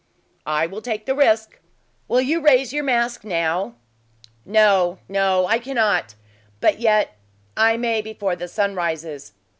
"I take the risk! Will you raise your mask now?" "No, no I cannot! But yet, I may before the sun rises.